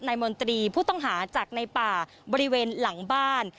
มนตรีผู้ต้องหาจากในป่าบริเวณหลังบ้าน